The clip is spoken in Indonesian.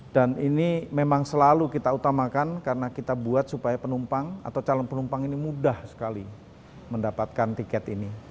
dan ini memang selalu kita utamakan karena kita buat supaya penumpang atau calon penumpang ini mudah sekali mendapatkan tiket ini